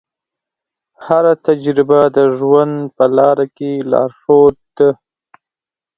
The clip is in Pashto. هره تجربه د ژوند په لاره کې لارښود ده.